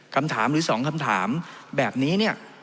คำถามหรือสองคำถามแบบนี้